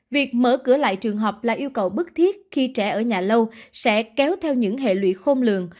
việc mở cửa lại trường học là yêu cầu bức thiết khi trẻ ở nhà lâu sẽ kéo theo những hệ lụy khôn lường